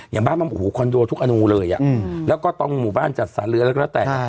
อย่างบ้านบ้านบอกว่าโอ้โหคอนโดทุกอนุเลยแล้วก็ต้องหมู่บ้านจัดสารเลือดแล้วก็แล้วแต่